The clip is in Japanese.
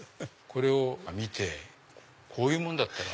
これを見てこういうもんだったら。